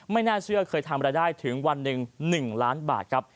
ไม่น่าเชื่อเคยทำรายได้ถึงวันหนึ่ง๑ล้านบาทครับ